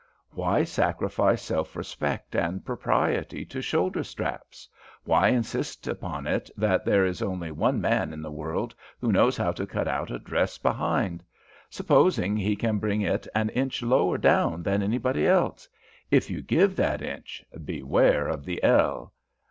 Why sacrifice self respect and propriety to shoulder straps? Why insist upon it that there is only one man in the world who knows how to cut out a dress behind? Supposing he can bring it an inch lower down than anybody else if you give that inch, beware of the ell.